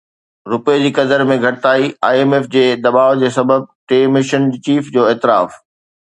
رپئي جي قدر ۾ گهٽتائي آءِ ايم ايف جي دٻاءُ سبب ٿي، مشن چيف جو اعتراف